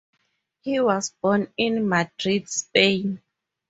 He was born in Madrid, Spain.